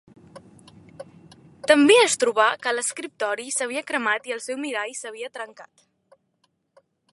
També es trobà que l'escriptori s'havia cremat i el seu mirall s'havia trencat.